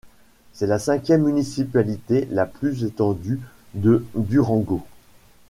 C'est la cinquième municipalité la plus étendue de Durango.